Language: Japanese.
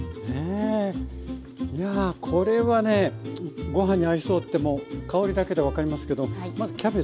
いやこれはねご飯に合いそうってもう香りだけで分かりますけどまずキャベツね